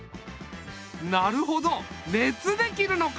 なるほど熱で切るのか！